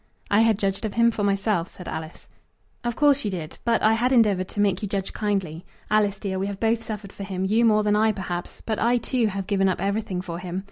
"I had judged of him for myself," said Alice. "Of course you did. But I had endeavoured to make you judge kindly. Alice, dear! we have both suffered for him; you more than I, perhaps; but I, too, have given up everything for him.